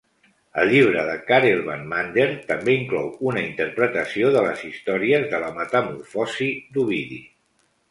El llibre de Karel van Mander també inclou una interpretació de les històries de la "Metamorfosi" d'Ovidi.